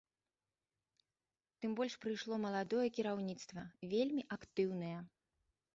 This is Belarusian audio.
Тым больш прыйшло маладое кіраўніцтва, вельмі актыўнае.